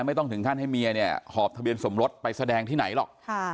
ไม่ต้องถึงขั้นให้เมียเนี่ยหอบทะเบียนสมรสไปแสดงที่ไหนหรอก